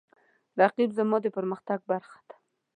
رقیب زما د پرمختګ برخه ده